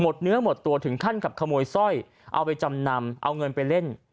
เนื้อหมดตัวถึงขั้นกับขโมยสร้อยเอาไปจำนำเอาเงินไปเล่น